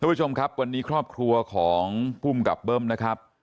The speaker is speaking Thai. ผู้ชมครับวันนี้ครอบครัวของภูมิกับเบิ้มนะครับ